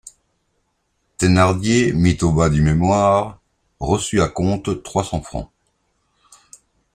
Thénardier mit au bas du mémoire: Reçu à compte trois cents francs.